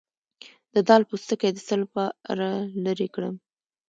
د دال پوستکی د څه لپاره لرې کړم؟